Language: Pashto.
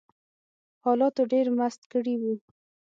حالاتو ډېر مست کړي وو